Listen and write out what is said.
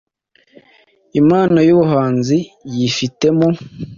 n’impano y’ubuhanzi yifitemo.